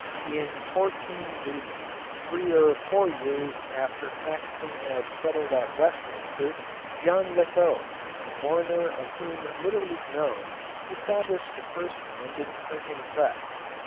[Illustration: CAXTON'S DEVICE.] In 1480, three or four years after Caxton had settled at Westminster, John Lettou, a foreigner of whom little is known, established the first London printing press.